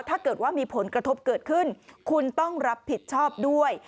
ถ้าเกิดว่ามีผลกระทบเกิดขึ้นคุณต้องรับผิดชอบด้วย